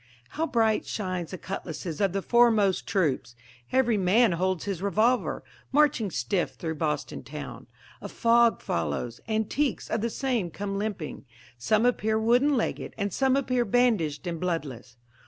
How bright shine the cutlasses of the foremost troops! Every man holds his revolver, marching stiff through Boston town. A fog follows antiques of the same come limping, Some appear wooden legged, and some appear bandaged and bloodless.